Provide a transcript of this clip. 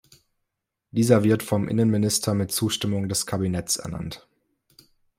Dieser wird vom Innenminister mit Zustimmung des Kabinetts ernannt.